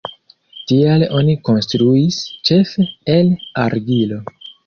Tial oni konstruis ĉefe el argilo.